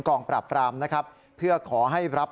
ปราบปรามนะครับเพื่อขอให้รับ